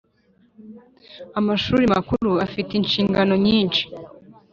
amashuri makuru afite inshingano nyinshi